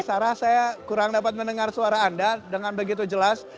sarah saya kurang dapat mendengar suara anda dengan begitu jelas